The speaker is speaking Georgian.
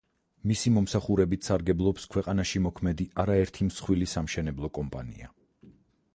მისი მომსახურებით სარგებლობს ქვეყანაში მოქმედი არაერთი მსხვილი სამშენებლო კომპანია.